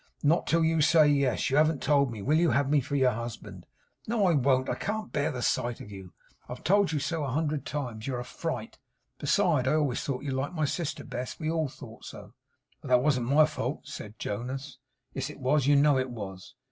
'Not till you say yes. You haven't told me. Will you have me for your husband?' 'No, I won't. I can't bear the sight of you. I have told you so a hundred times. You are a fright. Besides, I always thought you liked my sister best. We all thought so.' 'But that wasn't my fault,' said Jonas. 'Yes it was; you know it was.